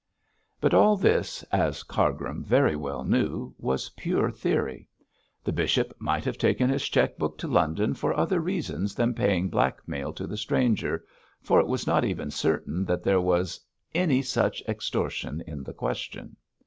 But all this, as Cargrim very well knew, was pure theory. The bishop might have taken his cheque book to London for other reasons than paying blackmail to the stranger, for it was not even certain that there was any such extortion in the question.